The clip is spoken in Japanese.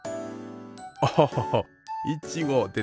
アハハハいちご出てきた。